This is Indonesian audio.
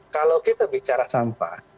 kalau kita bicara sampah